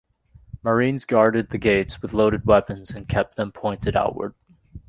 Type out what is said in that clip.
Marines guarded the gates with loaded weapons and kept them pointed outward.